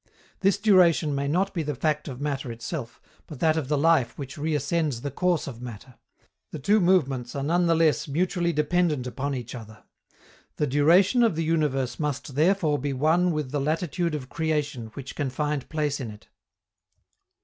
This duration may not be the fact of matter itself, but that of the life which reascends the course of matter; the two movements are none the less mutually dependent upon each other. _The duration of the universe must therefore be one with the latitude of creation which can find place in it.